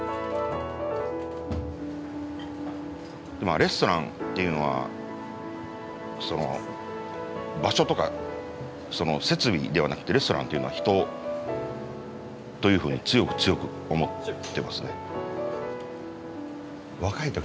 レストランっていうのは場所とか設備ではなくてレストランっていうのは人というふうに強く強く思ってますね。